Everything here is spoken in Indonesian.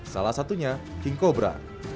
salah satunya king cobra